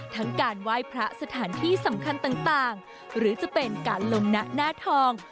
การไหว้พระสถานที่สำคัญต่างหรือจะเป็นการลงนะหน้าทอง